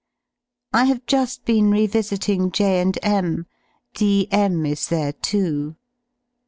I have] u^ been revisiting J and M ; D M is there, too.